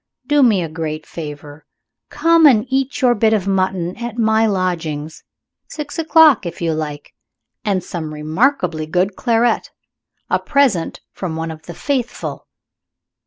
"Do me a great favor. Come and eat your bit of mutton at my lodgings. Six o'clock, if you like and some remarkably good claret, a present from one of the Faithful.